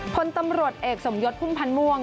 พลตำรวจเอกสมยศพุ่มพันธ์ม่วง